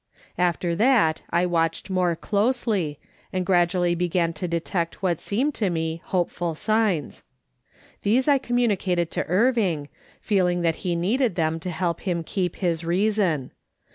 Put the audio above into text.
After that I watched more closely, and gradually began to detect what seemed to me hopeful signs ; these I communicated to Irvinrj, feelinij that he needed them to help him keep his reason.